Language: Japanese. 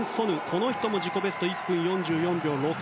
この人も自己ベスト１分４４秒６２。